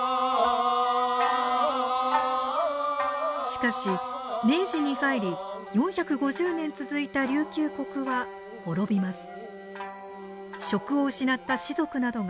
しかし明治に入り４５０年続いた琉球国は滅びます。